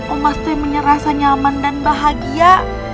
omas akan merasa nyaman dan bahagia